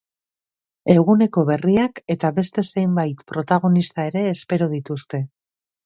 Eguneko berriak eta beste zenbait protagonista ere espero dituzte.